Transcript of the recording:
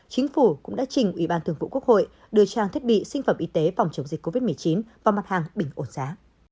chính phủ cũng đã trình ủy ban thường vụ quốc hội đưa trang thiết bị sinh phẩm y tế phòng chống dịch covid một mươi chín vào mặt hàng bình ổn giá